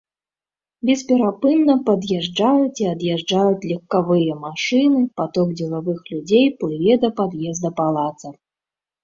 Бесперапынна пад'язджаюць і ад'язджаюць легкавыя машыны, паток дзелавых людзей плыве да пад'езда палаца.